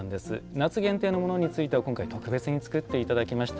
夏限定のものについては今回特別に作っていただきました。